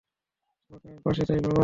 তোমাকে আমি পাশে চাই, বাবা।